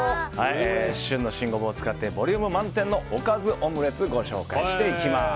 旬の新ゴボウを使ってボリューム満点のおかずオムレツをご紹介していきます。